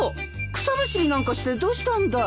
草むしりなんかしてどうしたんだい？